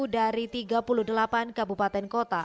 dua puluh satu dari tiga puluh delapan kabupaten kota